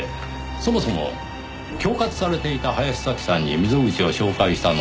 そもそも恐喝されていた林早紀さんに溝口を紹介したのは環那さんです。